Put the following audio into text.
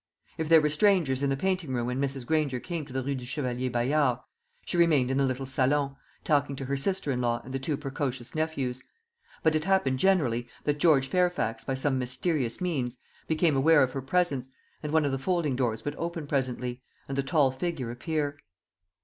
If there were strangers in the painting room when Mrs. Granger came to the Rue du Chevalier Bayard, she remained in the little salon, talking to her sister in law and the two precocious nephews; but it happened generally that George Fairfax, by some mysterious means, became aware of her presence, and one of the folding doors would open presently, and the tall figure appear.